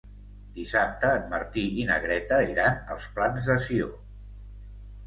Dissabte en Martí i na Greta iran als Plans de Sió.